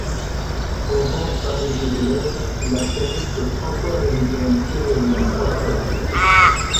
On compte parmi ses élèves la pianiste franco-américaine Évelyne Crochet.